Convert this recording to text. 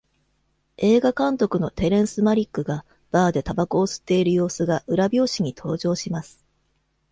映画監督のテレンス・マリックが、バーで煙草を吸っている様子が裏表紙に登場します。